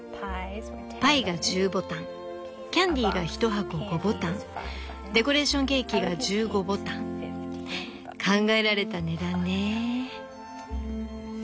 パイが１０ボタンキャンディーが１箱５ボタンデコレーションケーキが１５ボタン」考えられた値段ね。